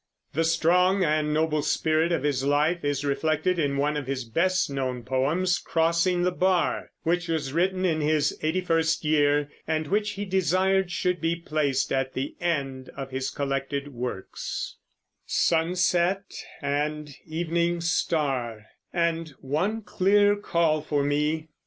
The strong and noble spirit of his life is reflected in one of his best known poems, "Crossing the Bar," which was written in his eighty first year, and which he desired should be placed at the end of his collected works: Sunset and evening star, And one clear call for me!